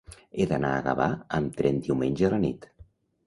He d'anar a Gavà amb tren diumenge a la nit.